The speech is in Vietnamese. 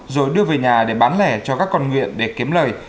rồi đưa về nhà để bán lẻ cho các con nghiện để kiếm lời